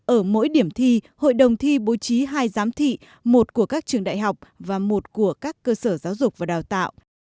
ở mỗi điểm thi hội đồng thi bố trí hai giám thị một của các trường đại học và một của các cơ sở giáo dục và đào tạo